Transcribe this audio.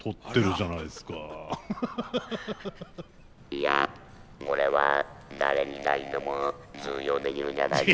「いやこれは誰に対しても通用できるじゃないですか」。